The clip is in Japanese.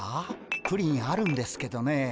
プリンあるんですけどねえ。